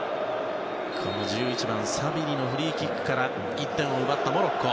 １１番、サビリのフリーキックから１点を奪ったモロッコ。